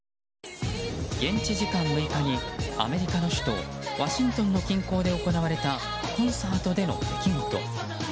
現地時間６日にアメリカの首都ワシントンの近郊で行われたコンサートでの出来事。